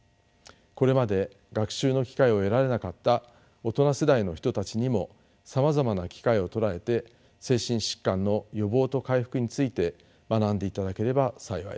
これまで学習の機会を得られなかった大人世代の人たちにもさまざまな機会を捉えて精神疾患の予防と回復について学んでいただければ幸いです。